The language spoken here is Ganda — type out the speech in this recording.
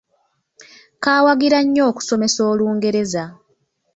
Kaawagira nnyo okusomesa Olungereza,